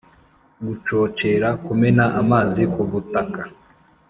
gucocera kumena amazi ku butaka